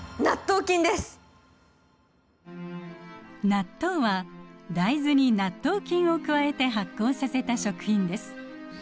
納豆は大豆に納豆菌を加えて発酵させた食品です。